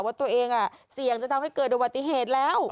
ว่าตัวเองเสี่ยงจะทำให้เกิดอุบัติเหตุแล้ว